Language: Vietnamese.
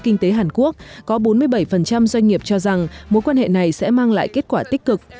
kinh tế hàn quốc có bốn mươi bảy doanh nghiệp cho rằng mối quan hệ này sẽ mang lại kết quả tích cực